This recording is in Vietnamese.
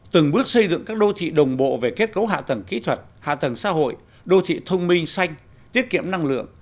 từng bước xây dựng các đô thị đồng bộ về kết cấu hạ tầng kỹ thuật hạ tầng xã hội đô thị thông minh xanh tiết kiệm năng lượng